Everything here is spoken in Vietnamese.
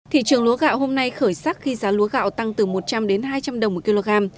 thị trường lúa gạo hôm nay khởi sắc khi giá lúa gạo tăng từ một trăm linh đến hai trăm linh đồng một kg